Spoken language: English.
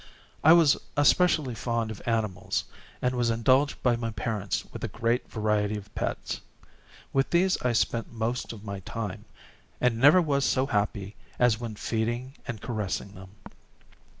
I was especially fond of animals, and was indulged by my parents with a great variety of pets. With these I spent most of my time, and never was so happy as when feeding and caressing them.